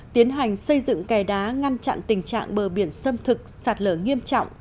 tiến hành xây dựng kè đá ngăn chặn tình trạng bờ biển xâm thực sạt lở nghiêm trọng